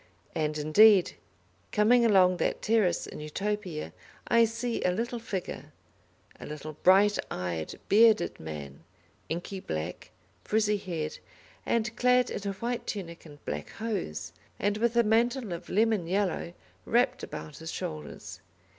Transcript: And, indeed, coming along that terrace in Utopia, I see a little figure, a little bright eyed, bearded man, inky black, frizzy haired, and clad in a white tunic and black hose, and with a mantle of lemon yellow wrapped about his shoulders.